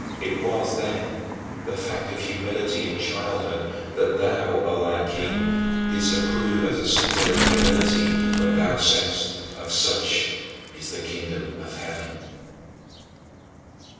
It was, then, the fact of humility in childhood that thou, O our King, didst approve as a symbol of humility when thou saidst, "Of such is the Kingdom of Heaven."